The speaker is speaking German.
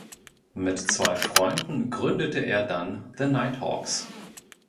Mit zwei Freunden gründete er dann "The Nighthawks".